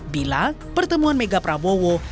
bila pertemuan mega prabowo